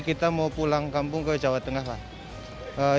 mudik kita mau pulang kampung ke jawa tengah lah